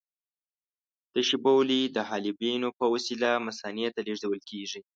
تشې بولې د حالبیونو په وسیله مثانې ته لېږدول کېږي.